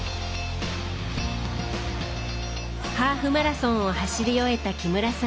ハーフマラソンを走り終えた木村さん。